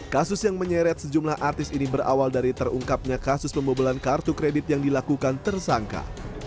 kasus yang menyeret sejumlah artis ini berawal dari terungkapnya kasus pembobolan kartu kredit yang dilakukan tersangka